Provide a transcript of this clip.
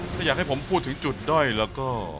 ถ้าอยากให้ผมพูดถึงจุดด้อยแล้วก็